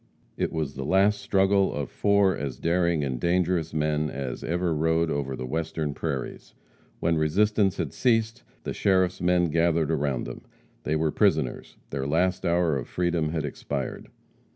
It was the last struggle of four as daring and dangerous men as ever rode over the Western prairies. When resistance had ceased, the sheriff's men gathered around them. They were prisoners; their last hour of freedom had expired.